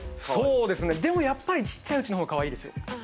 でもやっぱりちっちゃいうちのほうがかわいいですよ。